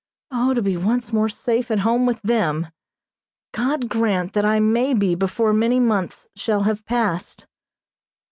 O, to be once more safe at home with them! God grant that I may be before many months shall have passed.